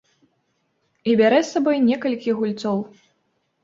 І бярэ з сабой некалькі гульцоў.